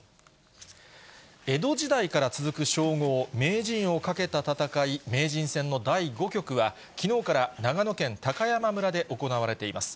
江戸時代から続く称号、名人をかけた戦い、名人戦の第５局はきのうから長野県高山村で行われています。